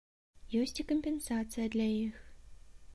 Ёсць і кампенсацыя для іх.